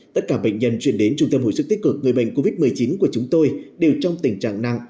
tất cả bệnh nhân chuyển đến trung tâm hồi sức tích cực người bệnh covid một mươi chín của chúng tôi đều trong tình trạng nặng